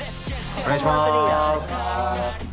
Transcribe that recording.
お願いしまーす。